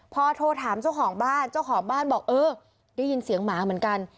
พอโทรถามเจ้าของบ้านเจ้าของบ้านบอกเออได้ยินเสียงหมาเหมือนกัน